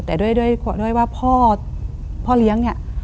แต่ด้วยว่าพ่อเลี้ยงเนี่ย